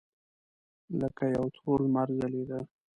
لکه یو تور لمر ځلېده.